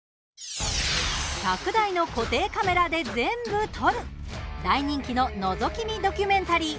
１００台の固定カメラで全部撮る大人気ののぞき見ドキュメンタリー